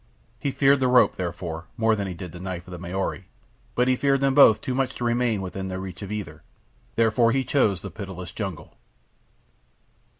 He feared the rope, therefore, more than he did the knife of the Maori; but he feared them both too much to remain within reach of either. Therefore he chose the pitiless jungle.